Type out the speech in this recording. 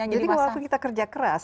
jadi walaupun kita kerja keras